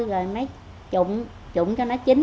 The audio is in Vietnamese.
rồi mới trụng cho nó chín